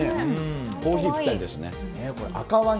コーヒーにぴったりですね。